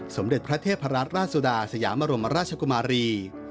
สมเด็จพระเทพราชราชสุดาสยามรมราชกุมารี